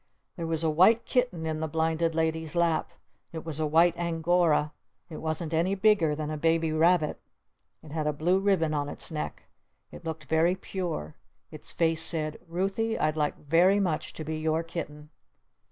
There was a White Kitten in the Blinded Lady's Lap. It was a white Angora. It wasn't any bigger than a baby rabbit. It had a blue ribbon on its neck. It looked very pure. Its face said "Ruthy, I'd like very much to be your kitten!"